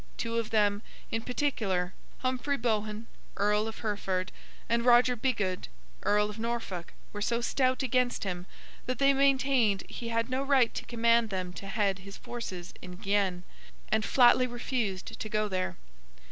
Two of them, in particular, Humphrey Bohun, Earl of Hereford, and Roger Bigod, Earl of Norfolk, were so stout against him, that they maintained he had no right to command them to head his forces in Guienne, and flatly refused to go there.